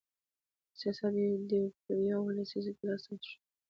دا سیاست په ویاو لسیزه کې لا سخت شو.